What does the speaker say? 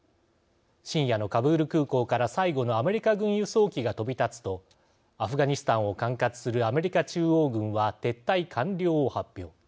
深夜のカブール空港から最後のアメリカ軍輸送機が飛び立つとアフガニスタンを管轄するアメリカ中央軍は撤退完了を発表。